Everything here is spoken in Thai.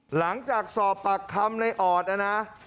หลังจากสอบปากคำในออดนะนะ